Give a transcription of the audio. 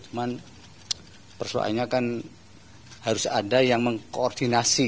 cuman persoalannya kan harus ada yang mengkoordinasi